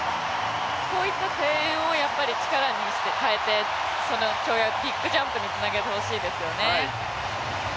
こういった声援を力に変えて、跳躍、ビッグジャンプにつなげてほしいですよね。